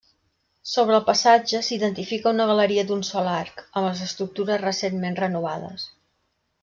Sobre el passatge s'identifica una galeria d'un sol arc, amb les estructures recentment renovades.